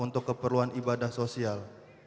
untuk keperluan ibadah sosial